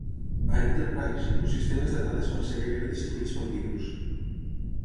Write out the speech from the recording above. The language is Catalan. A "Enterprise", els sistemes de dades van ser gairebé destruïts pel virus.